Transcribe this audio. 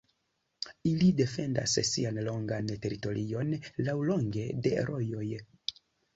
Ili defendas sian longan teritorion laŭlonge de rojoj.